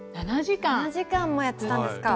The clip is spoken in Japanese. ７時間もやってたんですか。